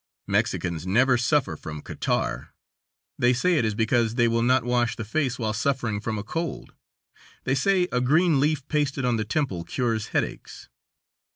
Mexicans never suffer from catarrh; they say it is because they will not wash the face while suffering from a cold. They say a green leaf pasted on the temple cures headaches.